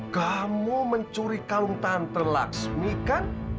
kamu mencuri kalung tante laksmi kan